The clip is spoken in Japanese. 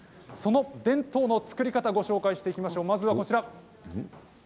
その伝統の作り方をご紹介していきましょう。